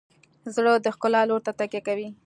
زړه د ښکلا لور ته تکیه کوي.